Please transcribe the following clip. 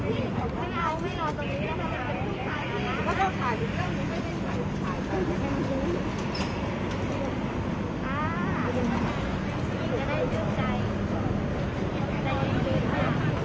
มือนึงน่ะอะไรนะมือนึงน่ะมือนึงน่ะมือเนื้อสุขเติ้ลน่ะ